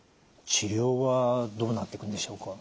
治療はどうなっていくんでしょうか？